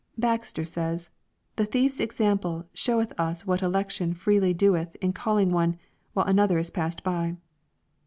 Baxter says, " The thiefs example showeth us what election freely doeth in calling one, while another is passed by.